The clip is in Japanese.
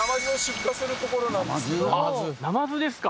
今ねナマズですか？